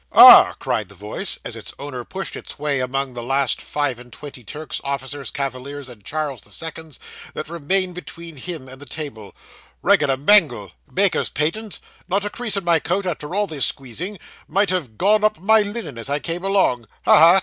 'Ah!' cried the voice, as its owner pushed his way among the last five and twenty Turks, officers, cavaliers, and Charles the Seconds, that remained between him and the table, 'regular mangle Baker's patent not a crease in my coat, after all this squeezing might have "got up my linen" as I came along ha! ha!